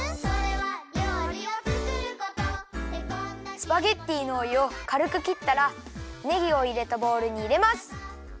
スパゲッティのおゆをかるくきったらねぎをいれたボウルにいれます。